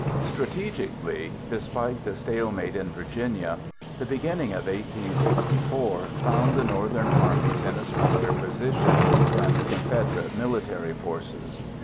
Strategically, despite the stalemate in Virginia, the beginning of 1864 found the Northern armies in a stronger position than the Confederate military forces.